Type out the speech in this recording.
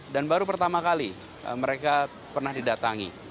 dan baru pertama kali mereka pernah didatangi